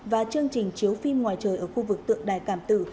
và chương trình chiếu phim ngoài trời ở khu vực tượng đài cảm tử